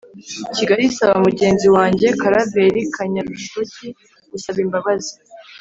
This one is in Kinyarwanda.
kigali isaba mugenzi wanjye karaveri kanyarushoki gusaba imbabazi